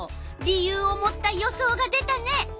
理由を持った予想が出たね。